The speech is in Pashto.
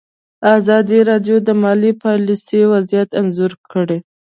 ازادي راډیو د مالي پالیسي وضعیت انځور کړی.